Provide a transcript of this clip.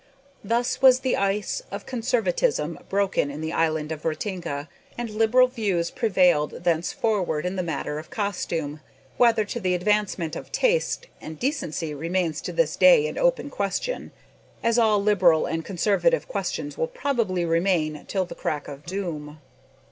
Thus was the ice of conservatism broken in the island of Ratinga, and liberal views prevailed thenceforward in the matter of costume whether to the advancement of taste and decency remains to this day an open question, as all liberal and conservative questions will probably remain till the crack of doom.